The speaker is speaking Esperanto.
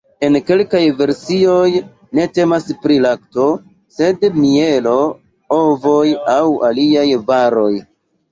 En kelkaj versioj ne temas pri lakto, sed pri mielo, ovoj aŭ aliaj varoj.